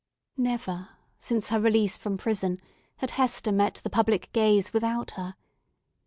Never since her release from prison had Hester met the public gaze without her.